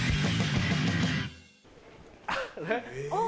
あっ！